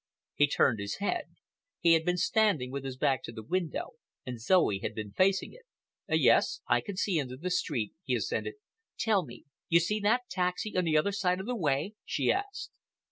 He turned his head. He had been standing with his back to the window, and Zoe had been facing it. "Yes, I can see into the street," he assented. "Tell me—you see that taxi on the other side of the way?" she asked.